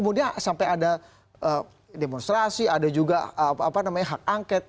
jadi sampai ada demonstrasi ada juga hak angket